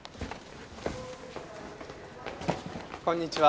こんにちは。